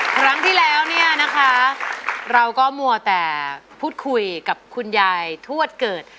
ครั้งที่แล้วเนี่ยนะคะเราก็มัวแต่พูดคุยกับคุณยายทวดเกิด